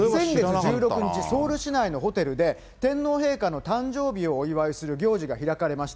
先月１６日、ソウル市内のホテルで、天皇陛下の誕生日をお祝いする行事が開かれました。